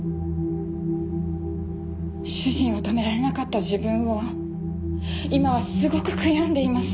主人を止められなかった自分を今はすごく悔やんでいます。